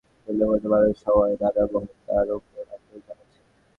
মোদি অভিযোগ করেছেন, নিম্নবর্ণের মানুষ হওয়ায় নানা মহল তাঁর ওপর আক্রমণ চালাচ্ছে।